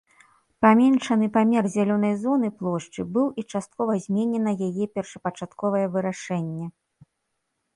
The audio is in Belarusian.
Паменшаны памер зялёнай зоны плошчы быў і часткова зменена яе першапачатковае вырашэнне.